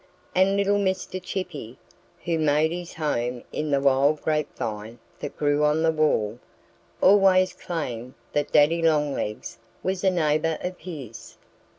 And little Mr. Chippy, who made his home in the wild grapevine that grew on the wall, always claimed that Daddy Longlegs was a neighbor of his.